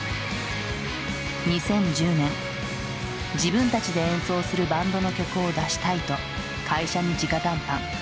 ２０１０年自分たちで演奏するバンドの曲を出したいと会社にじか談判。